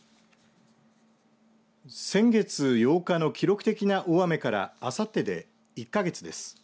先月８日の記録的な大雨からあさってで１か月です。